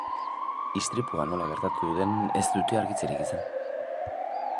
Istripua nola gertatu den ez dute argitzerik izan.